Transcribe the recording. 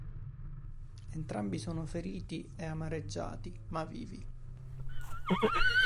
Entrambi sono feriti e amareggiati, ma vivi.